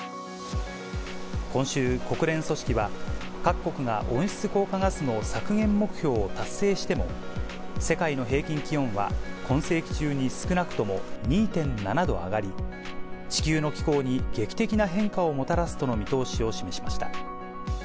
今週、国連組織は、各国が温室効果ガスの削減目標を達成しても、世界の平均気温は今世紀中に少なくとも２．７度上がり、地球の気候に劇的な変化をもたらすとの見通しを示しました。